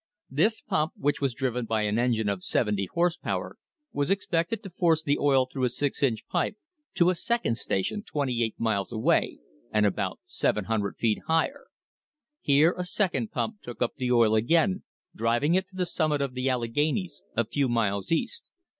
This pump, which was driven by an engine of seventy horse power, was expected to force the oil through a six inch pipe to a second station twenty eight miles away and about 700 feet higher. Here a second pump took up the oil again, driving it to the summit of the Alleghanies, a few miles east.